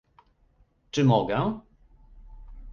Czy mogę?